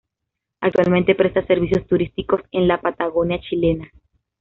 Actualmente presta servicios turísticos en la Patagonia chilena.